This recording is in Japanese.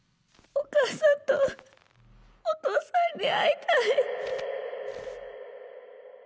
☎お母さんとお父さんに会いたい。